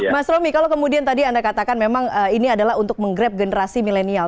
mas romy kalau kemudian tadi anda katakan memang ini adalah untuk menggrab generasi milenial